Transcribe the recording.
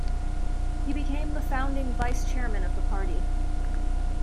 He became the founding vice-chairman of the party.